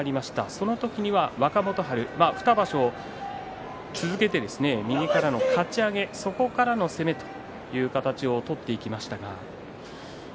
その時には、若元春２場所、続けて右からのかち上げそこからの攻めという形を取っていきました。